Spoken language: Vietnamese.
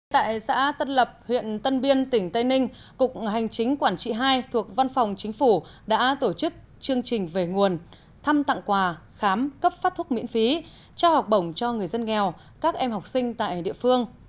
tại xã tân lập huyện tân biên tỉnh tây ninh cục hành chính quản trị hai thuộc văn phòng chính phủ đã tổ chức chương trình về nguồn thăm tặng quà khám cấp phát thuốc miễn phí trao học bổng cho người dân nghèo các em học sinh tại địa phương